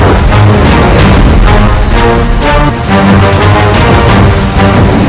aku masih kedatangan kusti prabu ke hutan ini